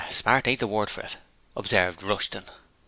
'Smart ain't the word for it,' observed Rushton.